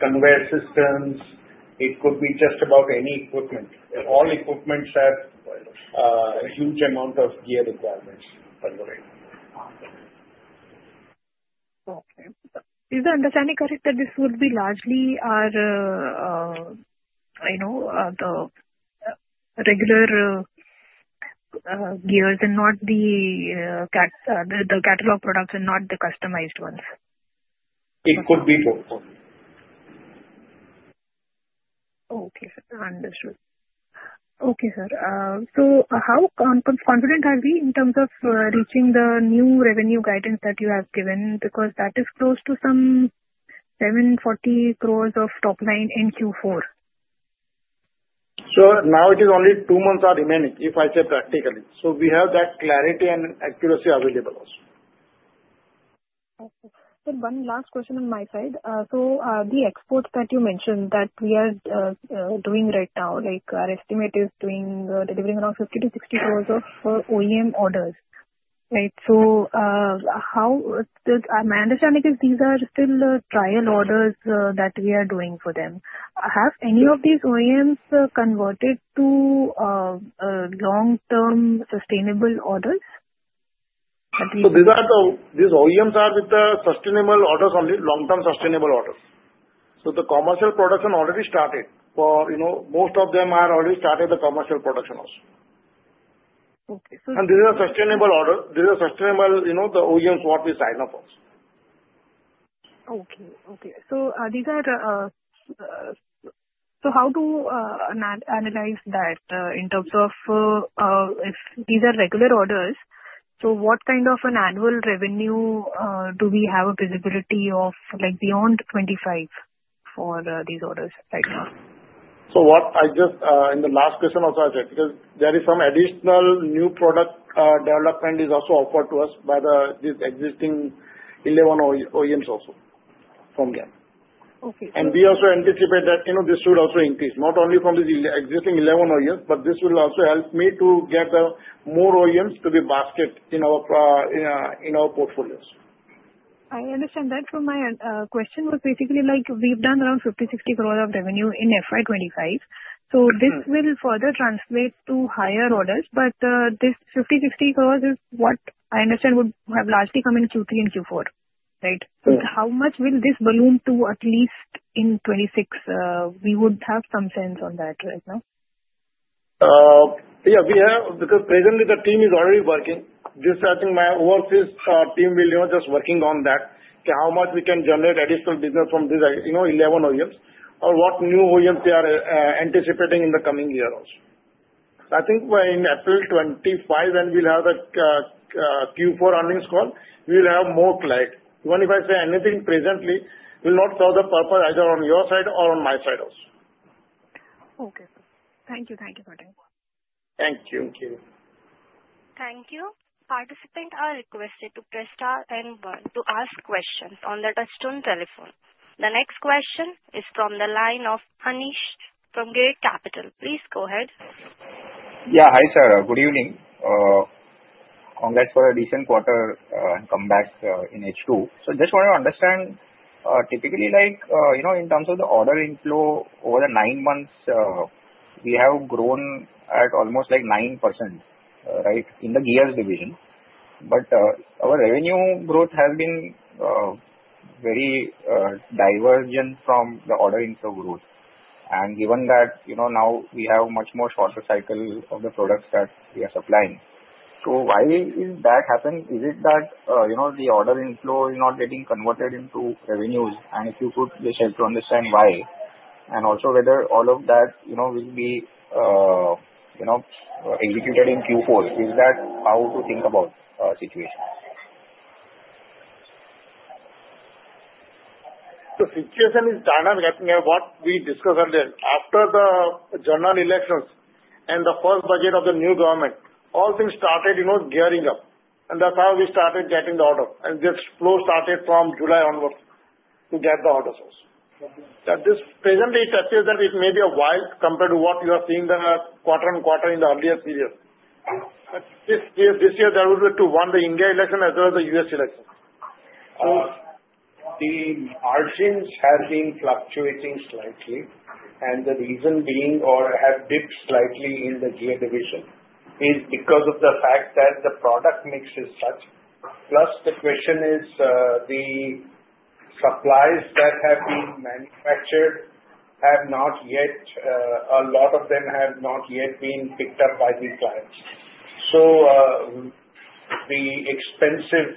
conveyor systems. It could be just about any equipment. All equipment have a huge amount of gear requirements for the terrain. Okay. Is the understanding correct that this would be largely the regular gears and not the catalog products and not the customized ones? It could be both. Okay. Understood. Okay, sir. So, how confident are we in terms of reaching the new revenue guidance that you have given? Because that is close to some 740 cr of top line in Q4. Sure. Now it is only two months are remaining, if I say practically. So, we have that clarity and accuracy available also. Okay. Sir, one last question on my side. So, the exports that you mentioned that we are doing right now, our estimate is delivering around 50-60 cr of OEM orders. Right? So, my understanding is these are still trial orders that we are doing for them. Have any of these OEMs converted to long-term sustainable orders? So, these OEMs are with the sustainable orders only, long-term sustainable orders. So, the commercial production already started. Most of them are already started the commercial production also. And these are sustainable orders. These are sustainable, the OEMs what we sign up for. Okay. So, how to analyze that in terms of if these are regular orders. So, what kind of an annual revenue do we have a visibility of beyond 25 for these orders right now? So, in the last question also I said, because there is some additional new product development is also offered to us by these existing 11 OEMs also from them. And we also anticipate that this should also increase, not only from these existing 11 OEMs, but this will also help me to get more OEMs to be basket in our portfolios. I understand that from my question was basically we've done around 50-60 cr of revenue in FY2025. So, this will further translate to higher orders. But this 50-60 cr is what I understand would have largely come in Q3 and Q4, right? So, how much will this balloon to at least in 2026? We would have some sense on that right now. Yeah. Because presently, the team is already working. Just I think my overseas team will just working on that, how much we can generate additional business from these 11 OEMs or what new OEMs they are anticipating in the coming year also. So, I think in April 2025, when we'll have the Q4 earnings call, we'll have more client. Even if I say anything presently, we'll not cover the purpose either on your side or on my side also. Okay. Thank you. Thank you for that. Thank you. Thank you. Participants are requested to press star and one to ask questions on the touch-tone telephone. The next question is from the line of Anish from Girik Capital. Please go ahead. Yeah. Hi, sir. Good evening. Congrats for a decent quarter and comeback in H2. So, I just want to understand, typically, in terms of the order inflow over the nine months, we have grown at almost 9%, right, in the Gears division. But our revenue growth has been very divergent from the order inflow growth. And given that now we have much more shorter cycle of the products that we are supplying, so why is that happening? Is it that the order inflow is not getting converted into revenues? And if you could just help to understand why. And also whether all of that will be executed in Q4, is that how to think about situation? The situation is dynamic. I think what we discussed earlier, after the general elections and the first budget of the new government, all things started gearing up. And that's how we started getting the order. And this flow started from July onwards to get the orders also. At present, it appears that it may be a while compared to what you are seeing quarter on quarter in the earlier period. But this year, there will be the India election as well as the U.S. election. So, the margins have been fluctuating slightly. And the reason being or have dipped slightly in the Gear division is because of the fact that the product mix is such. Plus, the question is the supplies that have been manufactured have not yet a lot of them have not yet been picked up by the clients. So, the expensive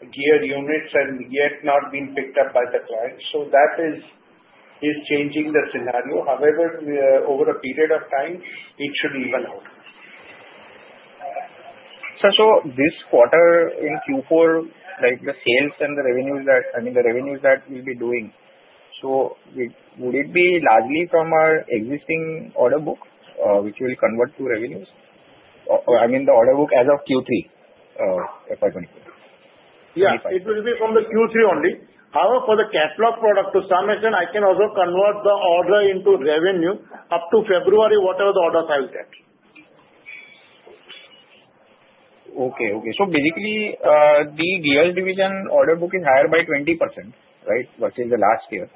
gear units have yet not been picked up by the clients. So, that is changing the scenario. However, over a period of time, it should even out. Sir, so this quarter in Q4, the sales and the revenues that I mean, the revenues that we'll be doing, so would it be largely from our existing order book which will convert to revenues? I mean, the order book as of Q3, FY2024. Yeah. It will be from the Q3 only. However, for the catalog product, to some extent, I can also convert the order into revenue up to February, whatever the orders I will get. Okay. So basically, the Gears division order book is higher by 20%, right, versus the last year.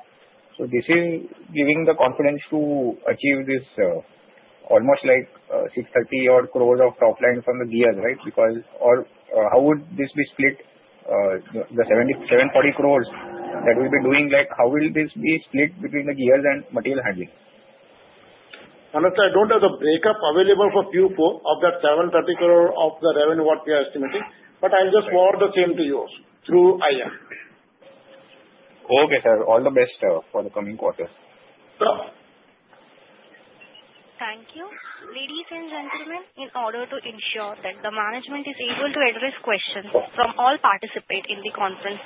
So, this is giving the confidence to achieve this almost like 630 cr of top line from the Gears, right? Because how would this be split, the 740 cr that we'll be doing? How will this be split between the Gears and Material Handling? Honestly, I don't have the breakup available for Q4 of that 730 cr of the revenue what we are estimating. But I'll just forward the same to you also through IR. Okay, sir. All the best for the coming quarter. So. Thank you. Ladies and gentlemen, in order to ensure that the management is able to address questions from all participants in the conference,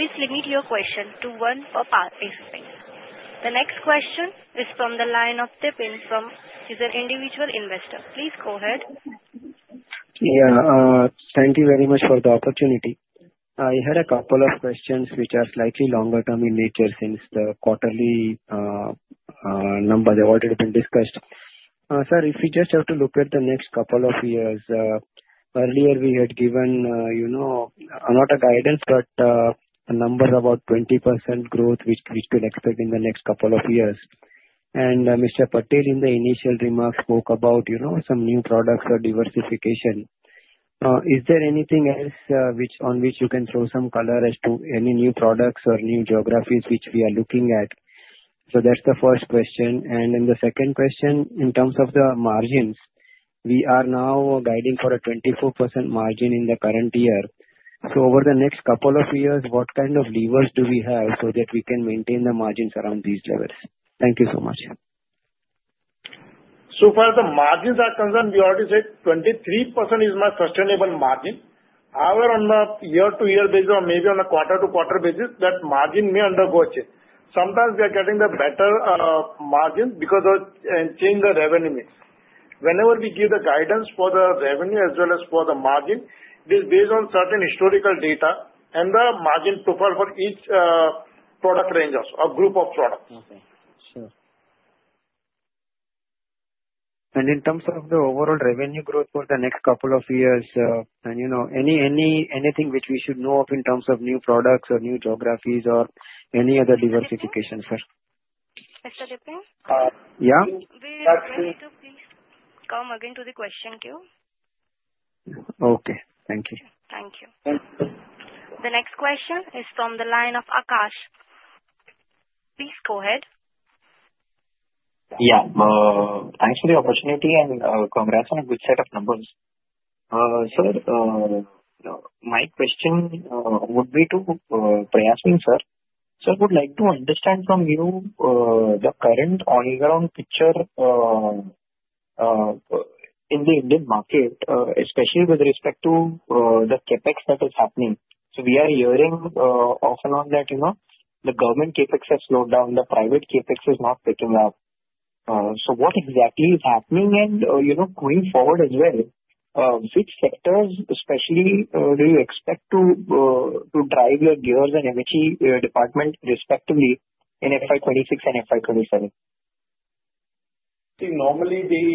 please limit your question to one per participant. The next question is from the line of Tibin. He's an individual investor. Please go ahead. Yeah. Thank you very much for the opportunity. I had a couple of questions which are slightly longer term in nature since the quarterly number that already been discussed. Sir, if we just have to look at the next couple of years, earlier we had given not a guidance, but a number about 20% growth which we could expect in the next couple of years. And Mr. Patel, in the initial remarks, spoke about some new products or diversification. Is there anything else on which you can throw some color as to any new products or new geographies which we are looking at? So, that's the first question. And then the second question, in terms of the margins, we are now guiding for a 24% margin in the current year. So, over the next couple of years, what kind of levers do we have so that we can maintain the margins around these levels? Thank you so much. So far, as the margins are concerned, we already said 23% is my sustainable margin. However, on the year-to-year basis or maybe on a quarter-to-quarter basis, that margin may undergo a change. Sometimes we are getting the better margin because of changing the revenue mix. Whenever we give the guidance for the revenue as well as for the margin, it is based on certain historical data and the margin profile for each product range or group of products. Okay. Sure, and in terms of the overall revenue growth for the next couple of years, and anything which we should know of in terms of new products or new geographies or any other diversification, sir? Mr. Tibin? Yeah? Will you be able to please come again to the question queue? Okay. Thank you. Thank you. The next question is from the line of Akash. Please go ahead. Yeah. Thanks for the opportunity and congrats on a good set of numbers. Sir, my question would be to Prayasvin, sir. Sir, I would like to understand from you the current on-ground picture in the Indian market, especially with respect to the CapEx that is happening. So, we are hearing off and on that the government CapEx has slowed down, the private CapEx is not picking up. So, what exactly is happening? And going forward as well, which sectors especially do you expect to drive your Gears and MHE department respectively in FY2026 and FY2027? See, normally the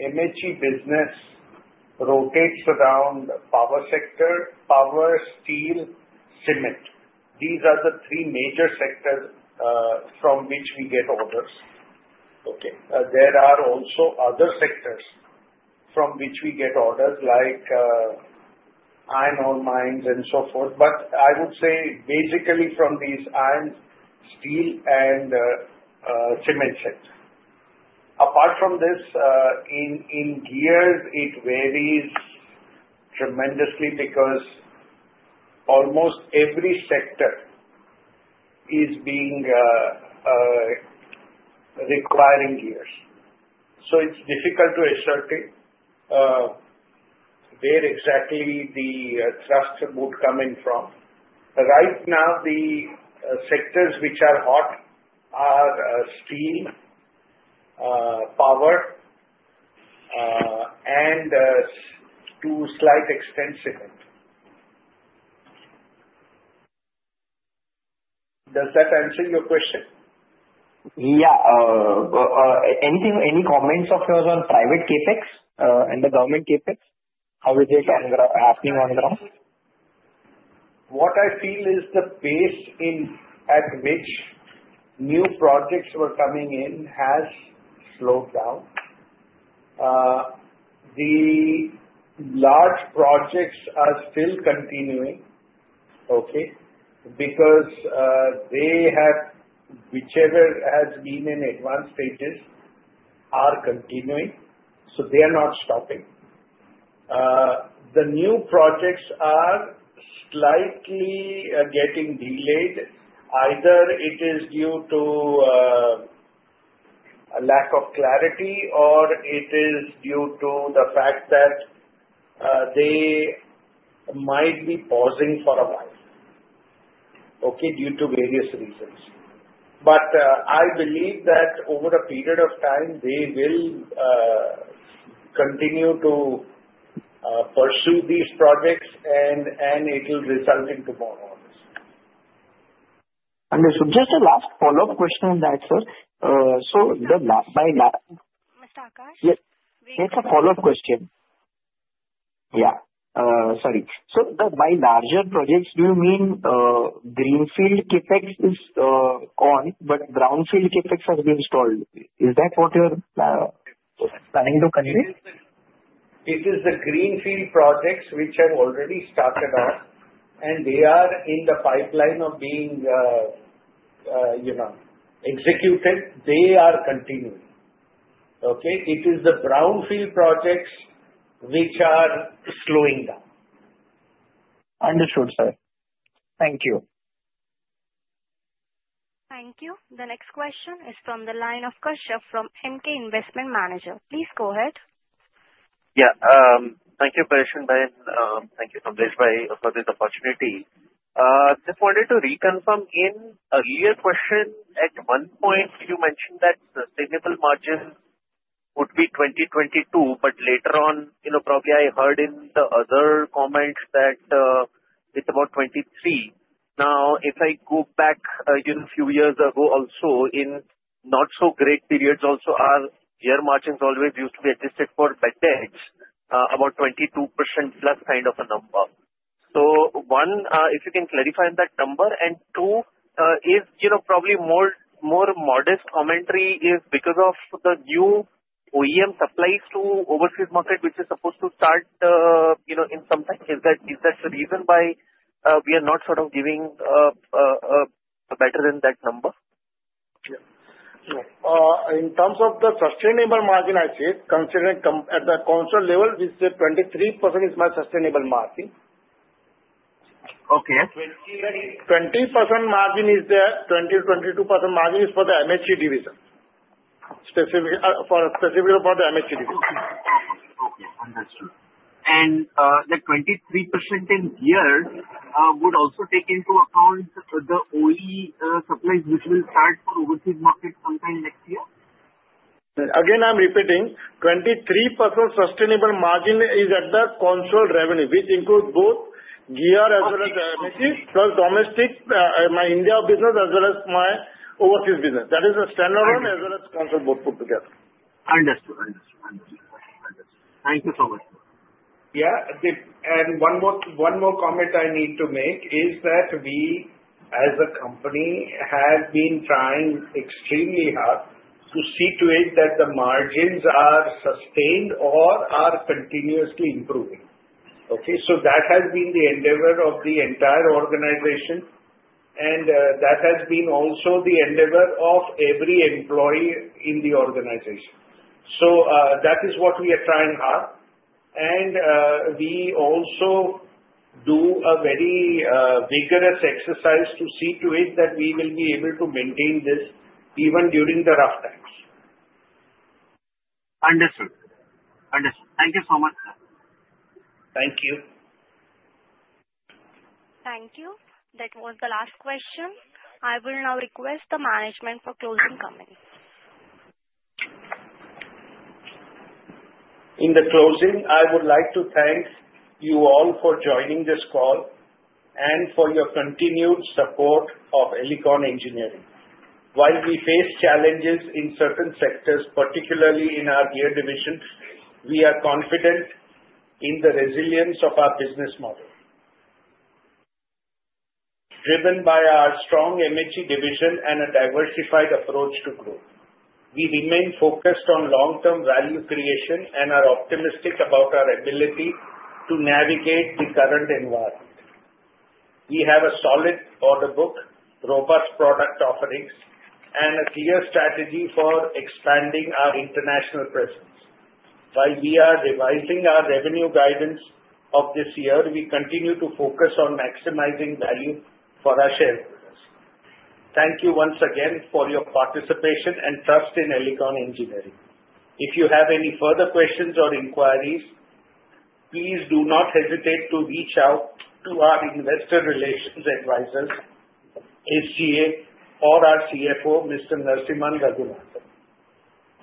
MHE business rotates around Power sector, Power, Steel, Cement. These are the three major sectors from which we get orders. Okay. There are also other sectors from which we get orders like Iron Ore mines and so forth. But I would say basically from these Iron, Steel, and Cement sectors. Apart from this, in Gears, it varies tremendously because almost every sector is requiring gears. So, it's difficult to assert where exactly the thrust would come in from. Right now, the sectors which are hot are Steel, Power, and to a slight extent Cement. Does that answer your question? Yeah. Any comments of yours on private CapEx and the government CapEx? How is it on-ground? Asking on-ground? What I feel is the pace at which new projects were coming in has slowed down. The large projects are still continuing, okay, because they have whichever has been in advanced stages are continuing. So, they are not stopping. The new projects are slightly getting delayed. Either it is due to a lack of clarity, or it is due to the fact that they might be pausing for a while, okay, due to various reasons. But I believe that over a period of time, they will continue to pursue these projects, and it will result in more orders. Understood. Just a last follow-up question on that, sir. So, my last. Mr. Akash? Yes. It's a follow-up question. Yeah. Sorry. So, by larger projects, do you mean Greenfield CapEx is on, but Brownfield CapEx has been installed? Is that what you're planning to continue? It is the Greenfield projects which have already started off, and they are in the pipeline of being executed. They are continuing. Okay. It is the Brownfield projects which are slowing down. Understood, sir. Thank you. Thank you. The next question is from the line of Kashyap from Emkay Investment Managers. Please go ahead. Yeah. Thank you, Prayasvin and... Thank you. Kamlesh for this opportunity. Just wanted to reconfirm an earlier question, at one point, you mentioned that sustainable margin would be 20-22%, but later on, probably I heard in the other comments that it's about 23%. Now, if I go back a few years ago also in not-so-great periods also, our gear margins always used to be adjusted EBITDA about 22% plus kind of a number. So, one, if you can clarify that number. And two, probably more modest commentary is because of the new OEM supplies to overseas market, which is supposed to start in some time. Is that the reason why we are not sort of giving a better than that number? Yeah. In terms of the sustainable margin, I said, considering at the consolidated level, we said 23% is my sustainable margin. 20% margin is there. 20%, 22% margin is for the MHE division, specifically for the MHE division. Okay. Understood. And the 23% in Gear would also take into account the OE supplies which will start for overseas market sometime next year? Again, I'm repeating. 23% sustainable margin is at the consolidated revenue, which includes both Gear as well as MHE plus domestic, my India business as well as my overseas business. That is a standalone as well as consolidated both put together. Understood. Understood. Understood. Thank you so much. Yeah. And one more comment I need to make is that we, as a company, have been trying extremely hard to see to it that the margins are sustained or are continuously improving. Okay. So, that has been the endeavor of the entire organization, and that has been also the endeavor of every employee in the organization. So, that is what we are trying hard. And we also do a very vigorous exercise to see to it that we will be able to maintain this even during the rough times. Understood. Understood. Thank you so much, sir. Thank you. Thank you. That was the last question. I will now request the management for closing comments. In the closing, I would like to thank you all for joining this call and for your continued support of Elecon Engineering. While we face challenges in certain sectors, particularly in our Gear division, we are confident in the resilience of our business model. Driven by our strong MHE division and a diversified approach to growth, we remain focused on long-term value creation and are optimistic about our ability to navigate the current environment. We have a solid order book, robust product offerings, and a clear strategy for expanding our international presence. While we are revising our revenue guidance of this year, we continue to focus on maximizing value for our shareholders. Thank you once again for your participation and trust in Elecon Engineering. If you have any further questions or inquiries, please do not hesitate to reach out to our investor relations advisors, SGA, or our CFO, Mr. Narasimhan Raghunathan.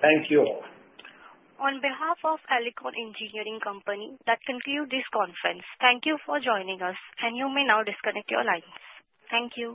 Thank you all. On behalf of Elecon Engineering Company, that concludes this conference. Thank you for joining us, and you may now disconnect your lines. Thank you.